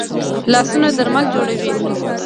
لاسونه درمل جوړوي